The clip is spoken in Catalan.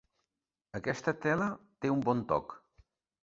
Aquesta tela té un bon toc.